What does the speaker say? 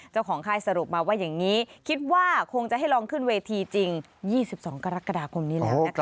ค่ายสรุปมาว่าอย่างนี้คิดว่าคงจะให้ลองขึ้นเวทีจริง๒๒กรกฎาคมนี้แล้วนะคะ